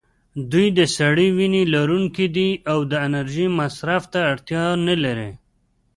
دوی د سړې وینې لرونکي دي او د انرژۍ مصرف ته اړتیا نه لري.